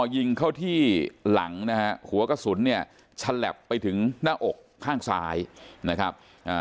ยิงเข้าที่หลังนะฮะหัวกระสุนเนี่ยฉลับไปถึงหน้าอกข้างซ้ายนะครับ